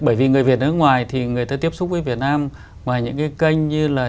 bởi vì người việt ở nước ngoài thì người ta tiếp xúc với việt nam ngoài những cái kênh như là